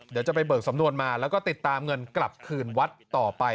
เดี๋ยวจะไปเบิกสำนวนมาแล้วก็ติดตามเงินกลับคืนวัดต่อไป